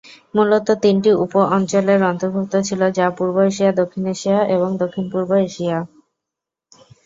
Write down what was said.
মূলত তিনটি উপ-অঞ্চল এর অন্তর্ভুক্ত ছিল যা পূর্ব এশিয়া, দক্ষিণ এশিয়া এবং দক্ষিণ-পূর্ব এশিয়া।